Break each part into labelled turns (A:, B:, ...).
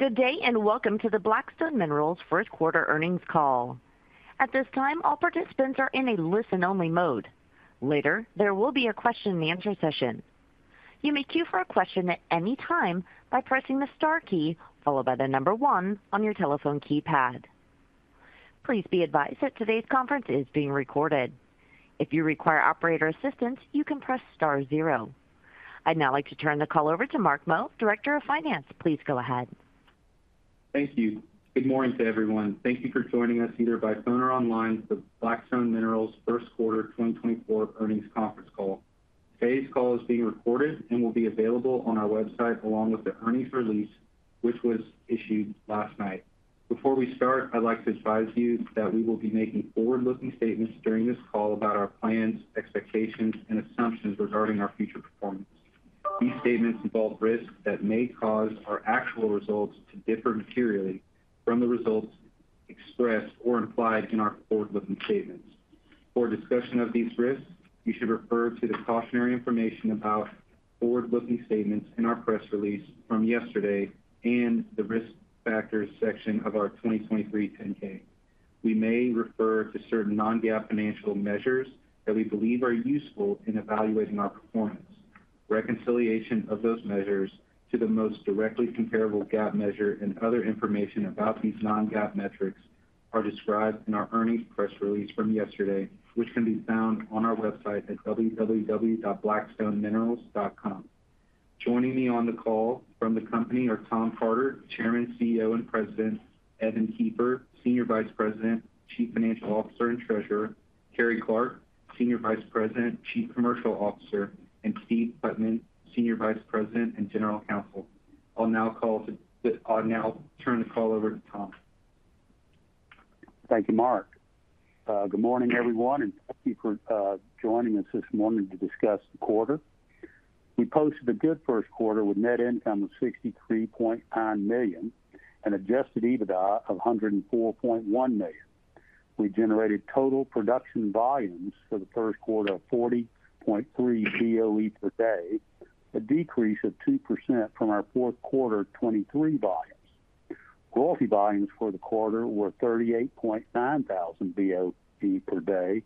A: Good day, and welcome to the Black Stone Minerals first quarter earnings call. At this time, all participants are in a listen-only mode. Later, there will be a question-and-answer session. You may queue for a question at any time by pressing the star key, followed by the number one on your telephone keypad. Please be advised that today's conference is being recorded. If you require operator assistance, you can press star zero. I'd now like to turn the call over to Mark Meaux, Director of Finance. Please go ahead.
B: Thank you. Good morning to everyone. Thank you for joining us, either by phone or online, for the Black Stone Minerals first quarter 2024 earnings conference call. Today's call is being recorded and will be available on our website, along with the earnings release, which was issued last night. Before we start, I'd like to advise you that we will be making forward-looking statements during this call about our plans, expectations, and assumptions regarding our future performance. These statements involve risks that may cause our actual results to differ materially from the results expressed or implied in our forward-looking statements. For a discussion of these risks, you should refer to the cautionary information about forward-looking statements in our press release from yesterday and the Risk Factors section of our 2023 10-K. We may refer to certain non-GAAP financial measures that we believe are useful in evaluating our performance. Reconciliation of those measures to the most directly comparable GAAP measure and other information about these non-GAAP metrics are described in our earnings press release from yesterday, which can be found on our website at www.blackstoneminerals.com. Joining me on the call from the company are Tom Carter, Chairman, CEO, and President. Evan Kiefer, Senior Vice President, Chief Financial Officer, and Treasurer. Carrie Clark, Senior Vice President, Chief Commercial Officer. And Steve Putman, Senior Vice President and General Counsel. I'll now call to... I'll now turn the call over to Tom.
C: Thank you, Mark. Good morning, everyone, and thank you for joining us this morning to discuss the quarter. We posted a good first quarter with net income of $63.9 million and adjusted EBITDA of $104.1 million. We generated total production volumes for the first quarter of 40.3 BOE per day, a decrease of 2% from our fourth quarter 2023 volumes. Gas volumes for the quarter were 38.9 thousand BOE per day.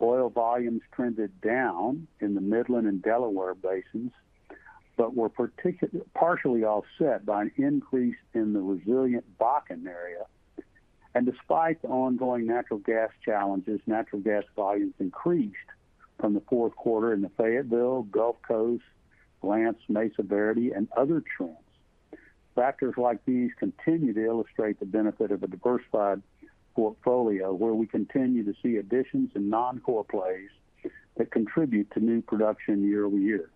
C: Oil volumes trended down in the Midland and Delaware basins, but were particularly, partially offset by an increase in the resilient Bakken area. And despite the ongoing natural gas challenges, natural gas volumes increased from the fourth quarter in the Fayetteville, Gulf Coast, Lance, Mesaverde, and other trends. Factors like these continue to illustrate the benefit of a diversified portfolio, where we continue to see additions in non-core plays that contribute to new production year over year.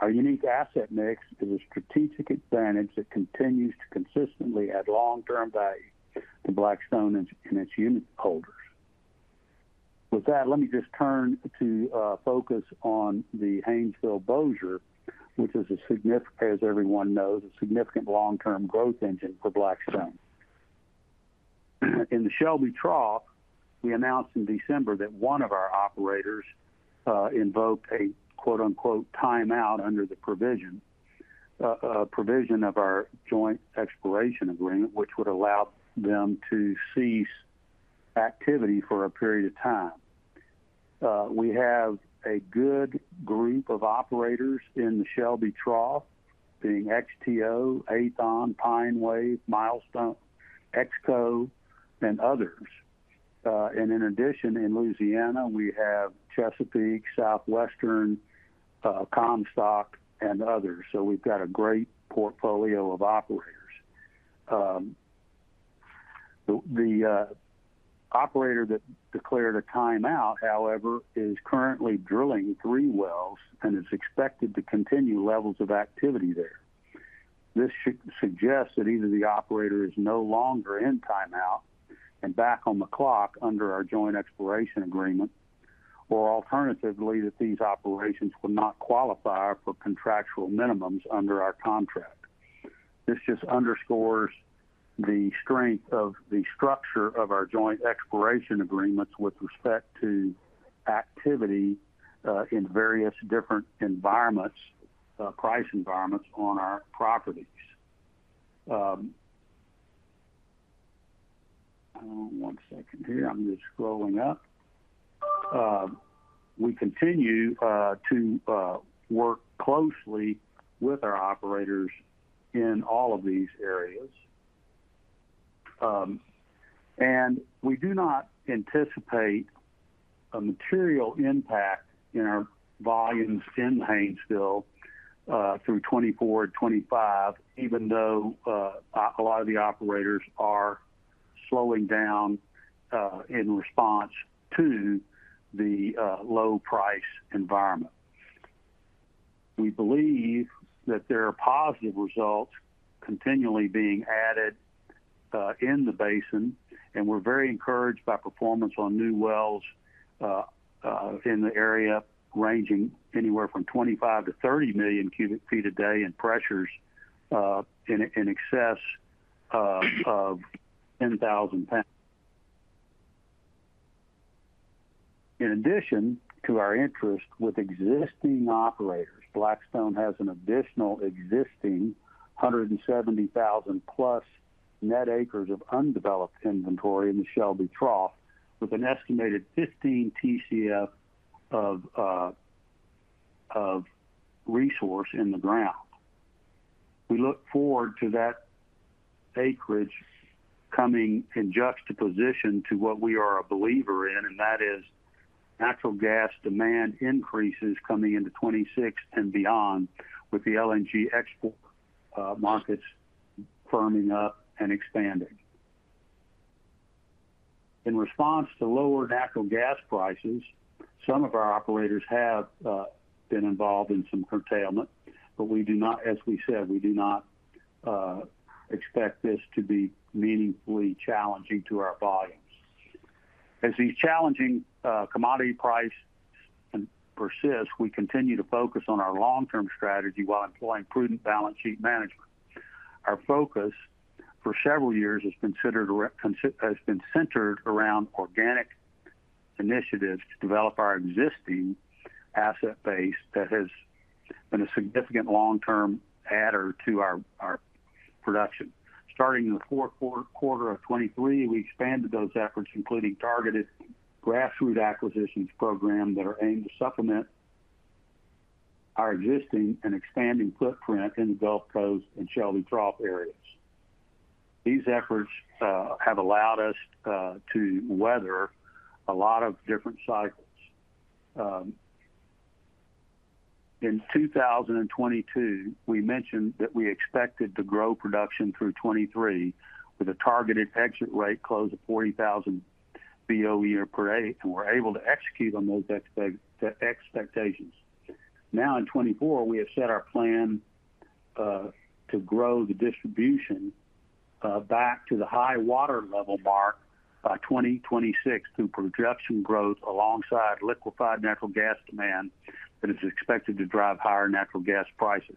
C: Our unique asset mix is a strategic advantage that continues to consistently add long-term value to Black Stone Minerals and its unitholders. With that, let me just turn to focus on the Haynesville/Bossier, which is a significant, as everyone knows, a significant long-term growth engine for Black Stone Minerals. In the Shelby Trough, we announced in December that one of our operators invoked a, quote, unquote, "timeout" under the provision of our joint exploration agreement, which would allow them to cease activity for a period of time. We have a good group of operators in the Shelby Trough, being XTO, Aethon, Pinewave, Milestone, EXCO, and others. And in addition, in Louisiana, we have Chesapeake, Southwestern, Comstock, and others. So we've got a great portfolio of operators. The operator that declared a timeout, however, is currently drilling three wells and is expected to continue levels of activity there. This suggests that either the operator is no longer in timeout and back on the clock under our joint exploration agreement, or alternatively, that these operations would not qualify for contractual minimums under our contract. This just underscores the strength of the structure of our joint exploration agreements with respect to activity, in various different environments, price environments on our properties. One second here. I'm just scrolling up. We continue to work closely with our operators in all of these areas. And we do not anticipate a material impact in our volumes in Haynesville through 2024 and 2025, even though a lot of the operators are slowing down in response to the low price environment. We believe that there are positive results continually being added in the basin, and we're very encouraged by performance on new wells in the area ranging anywhere from 25 to 30 million cubic feet a day in pressures in excess of 10,000 pounds. In addition to our interest with existing operators, Black Stone Minerals has an additional existing 170,000+ net acres of undeveloped inventory in the Shelby Trough, with an estimated 15 TCF of resource in the ground. We look forward to that acreage coming in juxtaposition to what we are a believer in, and that is natural gas demand increases coming into 2026 and beyond, with the LNG export markets firming up and expanding. In response to lower natural gas prices, some of our operators have been involved in some curtailment, but we do not, as we said, we do not expect this to be meaningfully challenging to our volumes. As these challenging commodity prices persist, we continue to focus on our long-term strategy while employing prudent balance sheet management. Our focus for several years has been centered around organic initiatives to develop our existing asset base that has been a significant long-term adder to our production. Starting in the fourth quarter of 2023, we expanded those efforts, including targeted grassroots acquisitions program that are aimed to supplement our existing and expanding footprint in the Gulf Coast and Shelby Trough areas. These efforts have allowed us to weather a lot of different cycles. In 2022, we mentioned that we expected to grow production through 2023, with a targeted exit rate close to 40,000 BOE per day, and we're able to execute on those expectations. Now, in 2024, we have set our plan to grow the distribution back to the high water level mark by 2026, through production growth alongside liquefied natural gas demand, that is expected to drive higher natural gas prices.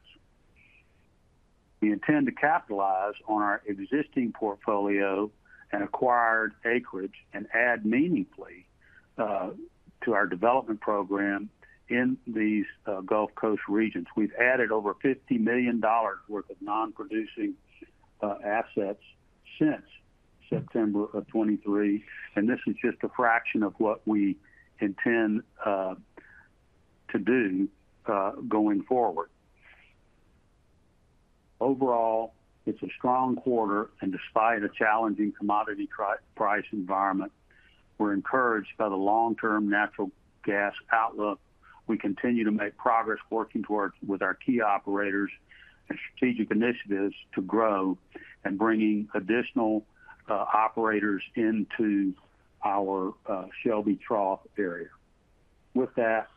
C: We intend to capitalize on our existing portfolio and acquired acreage and add meaningfully to our development program in these Gulf Coast regions. We've added over $50 million worth of non-producing assets since September of 2023, and this is just a fraction of what we intend to do going forward. Overall, it's a strong quarter, and despite a challenging commodity price environment, we're encouraged by the long-term natural gas outlook. We continue to make progress working towards with our key operators and strategic initiatives to grow and bringing additional operators into our Shelby Trough area. With that,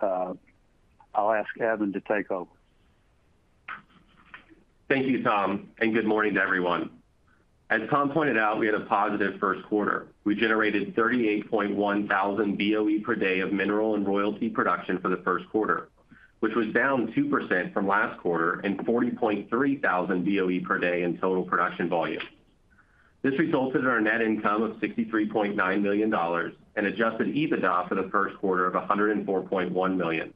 C: I'll ask Evan to take over.
D: Thank you, Tom, and good morning to everyone. As Tom pointed out, we had a positive first quarter. We generated 38.1 thousand BOE per day of mineral and royalty production for the first quarter, which was down 2% from last quarter, and 40.3 thousand BOE per day in total production volume. This resulted in our net income of $63.9 million and adjusted EBITDA for the first quarter of $104.1 million.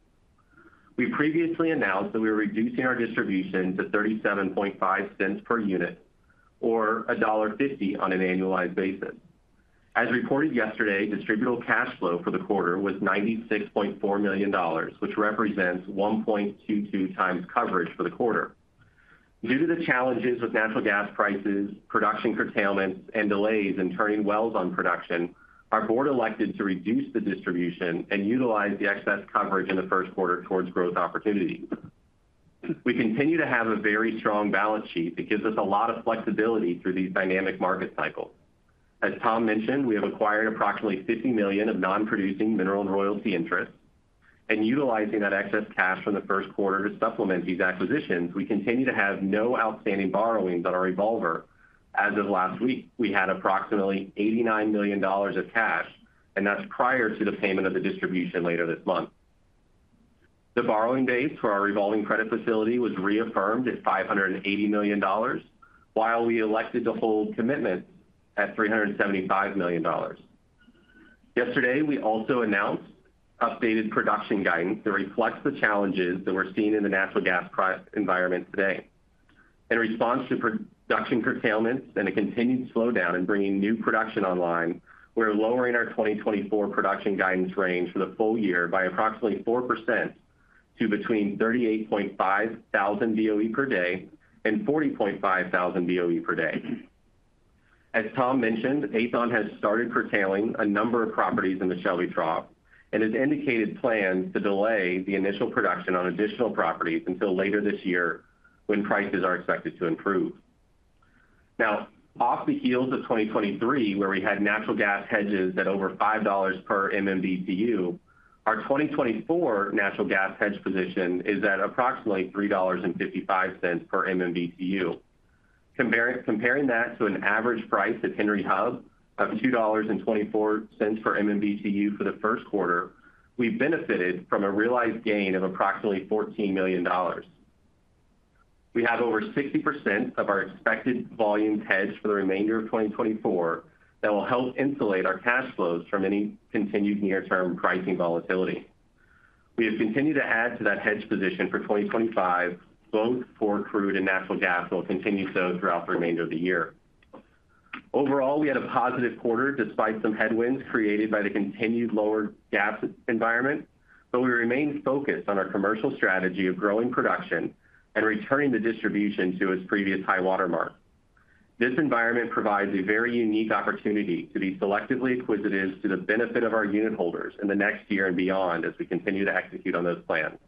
D: We previously announced that we were reducing our distribution to $0.375 per unit or $1.50 on an annualized basis. As reported yesterday, distributable cash flow for the quarter was $96.4 million, which represents 1.22 times coverage for the quarter. Due to the challenges with natural gas prices, production curtailments, and delays in turning wells on production, our board elected to reduce the distribution and utilize the excess coverage in the first quarter towards growth opportunities. We continue to have a very strong balance sheet that gives us a lot of flexibility through these dynamic market cycles. As Tom mentioned, we have acquired approximately $50 million of non-producing mineral and royalty interests, and utilizing that excess cash from the first quarter to supplement these acquisitions, we continue to have no outstanding borrowings on our revolver. As of last week, we had approximately $89 million of cash, and that's prior to the payment of the distribution later this month. The borrowing base for our revolving credit facility was reaffirmed at $580 million, while we elected to hold commitments at $375 million. Yesterday, we also announced updated production guidance that reflects the challenges that we're seeing in the natural gas price environment today. In response to production curtailments and a continued slowdown in bringing new production online, we're lowering our 2024 production guidance range for the full year by approximately 4% to between 38,500 BOE per day and 40,500 BOE per day. As Tom mentioned, Aethon has started curtailing a number of properties in the Shelby Trough and has indicated plans to delay the initial production on additional properties until later this year, when prices are expected to improve. Now, off the heels of 2023, where we had natural gas hedges at over $5 per MMBtu, our 2024 natural gas hedge position is at approximately $3.55 per MMBtu. Comparing that to an average price at Henry Hub of $2.24 per MMBtu for the first quarter, we benefited from a realized gain of approximately $14 million. We have over 60% of our expected volumes hedged for the remainder of 2024. That will help insulate our cash flows from any continued near-term pricing volatility. We have continued to add to that hedge position for 2025, both for crude and natural gas, and will continue so throughout the remainder of the year. Overall, we had a positive quarter despite some headwinds created by the continued lower gas environment, but we remain focused on our commercial strategy of growing production and returning the distribution to its previous high-water mark. This environment provides a very unique opportunity to be selectively acquisitive to the benefit of our unitholders in the next year and beyond, as we continue to execute on those plans.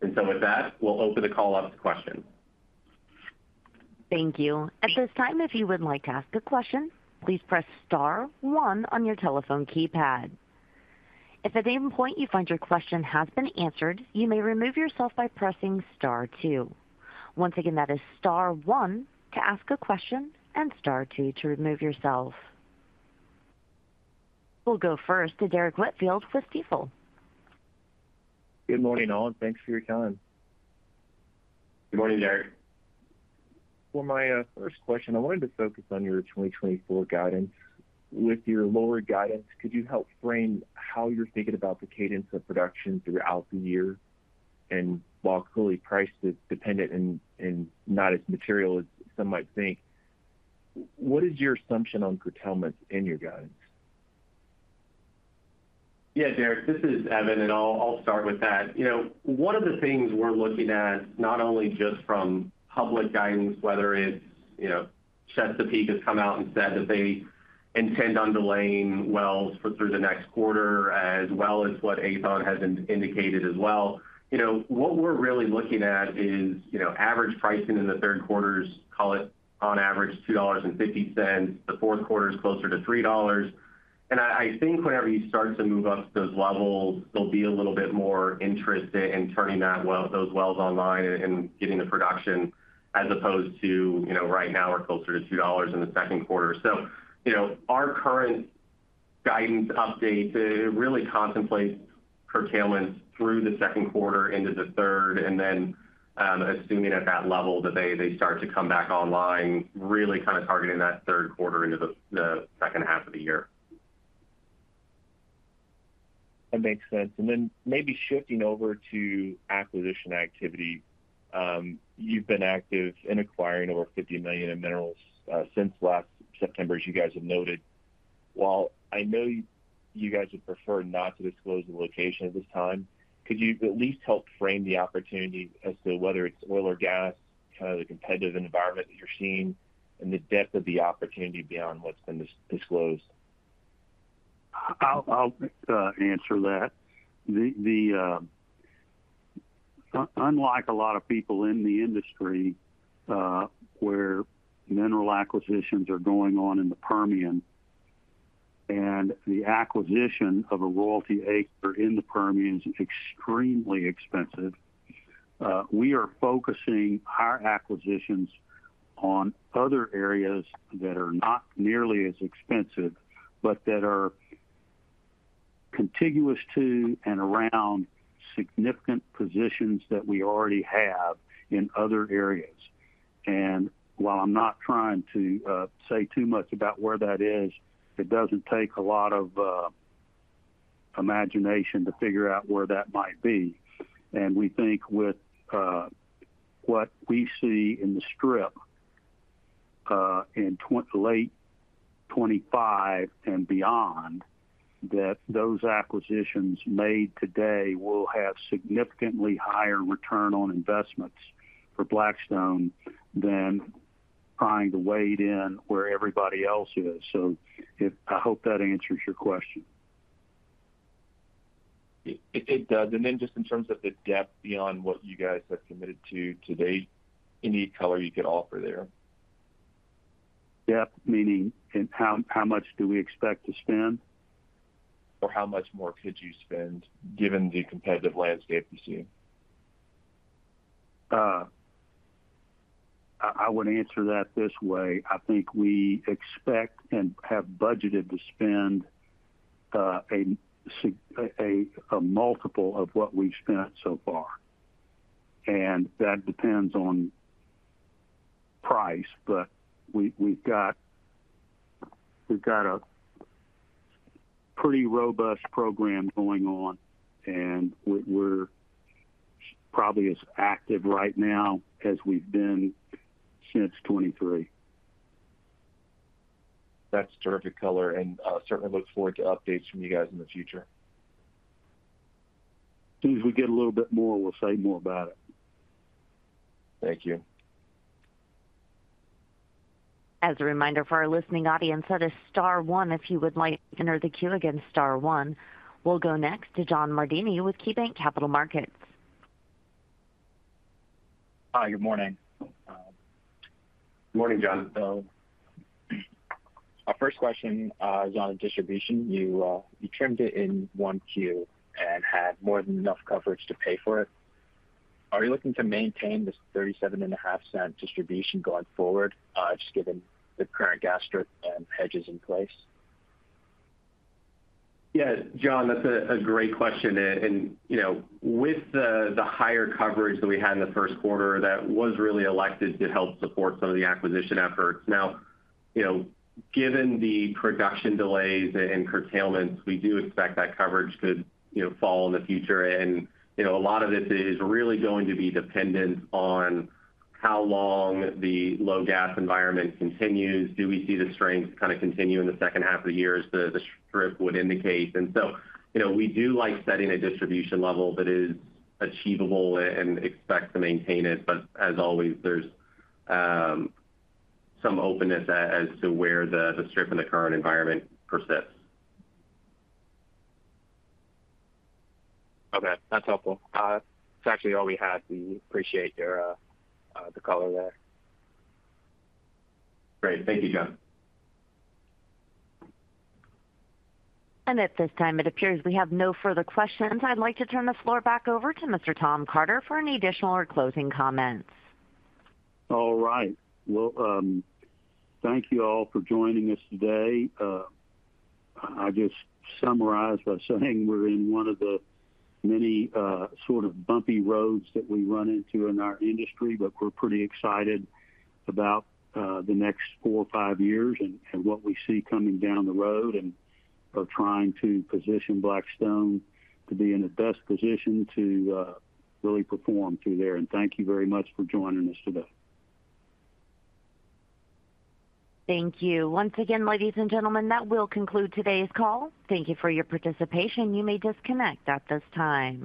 D: And so with that, we'll open the call up to questions.
A: Thank you. At this time, if you would like to ask a question, please press star one on your telephone keypad. If at any point you find your question has been answered, you may remove yourself by pressing star two. Once again, that is star one to ask a question, and star two to remove yourself. We'll go first to Derek Whitfield with Stifel.
E: Good morning, all, and thanks for your time.
D: Good morning, Derek.
E: For my first question, I wanted to focus on your 2024 guidance. With your lower guidance, could you help frame how you're thinking about the cadence of production throughout the year? And while clearly price is dependent and not as material as some might think, what is your assumption on curtailments in your guidance?
D: Yeah, Derek, this is Evan, and I'll, I'll start with that. You know, one of the things we're looking at, not only just from public guidance, whether it's, you know, Chesapeake has come out and said that they intend on delaying wells for through the next quarter, as well as what Aethon has indicated as well. You know, what we're really looking at is, you know, average pricing in the third quarter is, call it, on average, $2.50. The fourth quarter is closer to $3. And I, I think whenever you start to move up those levels, they'll be a little bit more interested in turning that well, those wells online and, and getting the production, as opposed to, you know, right now we're closer to $2 in the second quarter. You know, our current guidance update, it really contemplates curtailments through the second quarter into the third, and then, assuming at that level that they, they start to come back online, really kind of targeting that third quarter into the, the second half of the year.
E: That makes sense. And then maybe shifting over to acquisition activity. You've been active in acquiring over $50 million in minerals since last September, as you guys have noted. While I know you, you guys would prefer not to disclose the location at this time, could you at least help frame the opportunity as to whether it's oil or gas, kind of the competitive environment that you're seeing and the depth of the opportunity beyond what's been disclosed?
C: I'll answer that. Unlike a lot of people in the industry where mineral acquisitions are going on in the Permian, and the acquisition of a royalty acre in the Permian is extremely expensive, we are focusing our acquisitions on other areas that are not nearly as expensive, but that are contiguous to and around significant positions that we already have in other areas. And while I'm not trying to say too much about where that is, it doesn't take a lot of imagination to figure out where that might be. And we think with what we see in the strip in late 2025 and beyond, that those acquisitions made today will have significantly higher return on investments for Black Stone than trying to wade in where everybody else is. So I hope that answers your question.
E: It, it does. And then just in terms of the depth beyond what you guys have committed to to date, any color you could offer there?
C: Depth, meaning in how, how much do we expect to spend?
E: Or how much more could you spend, given the competitive landscape you see?
C: I would answer that this way: I think we expect and have budgeted to spend a multiple of what we've spent so far, and that depends on price. But we've got a pretty robust program going on, and we're probably as active right now as we've been since 2023.
E: That's terrific color, and I certainly look forward to updates from you guys in the future.
C: As soon as we get a little bit more, we'll say more about it.
E: Thank you.
A: As a reminder for our listening audience, that is star one. If you would like to enter the queue again, star one. We'll go next to John Mardini with KeyBanc Capital Markets.
F: Hi, good morning.
D: Good morning, John.
F: So my first question is on distribution. You trimmed it in one Q and had more than enough coverage to pay for it. Are you looking to maintain this $0.375 distribution going forward, just given the current gas strip and hedges in place?
D: Yeah, John, that's a great question. And, you know, with the higher coverage that we had in the first quarter, that was really elected to help support some of the acquisition efforts. Now, you know, given the production delays and curtailments, we do expect that coverage to fall in the future. And, you know, a lot of this is really going to be dependent on how long the low gas environment continues. Do we see the strength kind of continue in the second half of the year, as the strip would indicate? And so, you know, we do like setting a distribution level that is achievable and expect to maintain it. But as always, there's some openness as to where the strip in the current environment persists.
F: Okay, that's helpful. That's actually all we had. We appreciate your, the color there.
D: Great. Thank you, John.
A: At this time, it appears we have no further questions. I'd like to turn the floor back over to Mr. Tom Carter for any additional or closing comments.
C: All right. Well, thank you all for joining us today. I just summarize by saying we're in one of the many, sort of bumpy roads that we run into in our industry, but we're pretty excited about the next 4 or 5 years and what we see coming down the road, and are trying to position Black Stone to be in the best position to really perform through there. Thank you very much for joining us today.
A: Thank you. Once again, ladies and gentlemen, that will conclude today's call. Thank you for your participation. You may disconnect at this time.